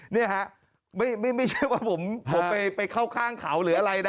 นี่ฮะไม่ใช่ว่าผมไปเข้าข้างเขาหรืออะไรนะ